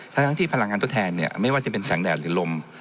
ทั้งที่พลังงานทดแทนเนี่ยไม่ว่าจะเป็นแสงแดดหรือลม